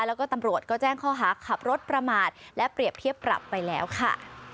แล้วก็ตำรวจก็แจ้งข้อหาขับรถประมาทและเปรียบเทียบปรับไปแล้วค่ะ